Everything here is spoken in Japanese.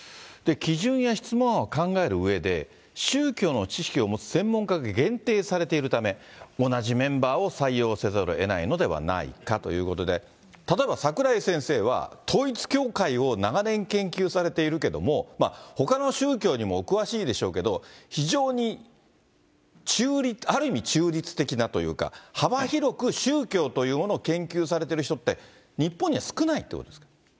基準や質問案を考えるうえで、宗教の知識を持つ専門家が限定されているため、同じメンバーを採用せざるをえないのではないかということで、例えば櫻井先生は、統一教会を長年研究されているけども、ほかの宗教にもお詳しいでしょうけど、非常に、ある意味中立的なというか、幅広く宗教というものを研究されてる人って、日本には少ないってことですか。